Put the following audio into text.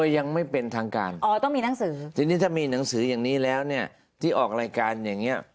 ยังไม่เป็นทางการจริงถ้ามีหนังสืออย่างนี้แล้วเนี่ยที่ออกรายการอย่างนี้